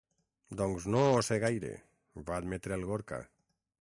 Doncs no ho sé gaire —va admetre el Gorka—.